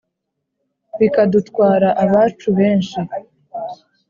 Bikadutwara abacu benshi